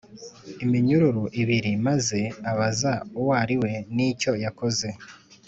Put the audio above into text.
Iminyururu O Ibiri Maze Abaza Uwo Ari We N Icyo Yakoze